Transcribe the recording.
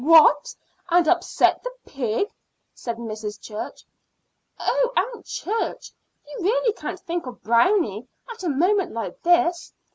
"What! and upset the pig?" said Mrs. Church. "Oh, Aunt Church, you really can't think of Brownie at a moment like this!